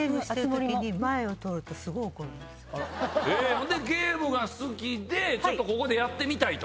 ほんでゲームが好きでここでやってみたいと。